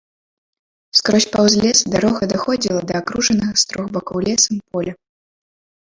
Скрозь паўз лес дарога даходзіла да акружанага з трох бакоў лесам поля.